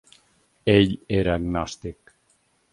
Ell era agnòstic.